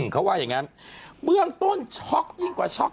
เขาว่าอย่างงั้นเบื้องต้นช็อกยิ่งกว่าช็อก